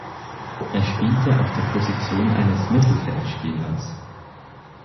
Er spielte auf der Position eines Mittelfeldspielers.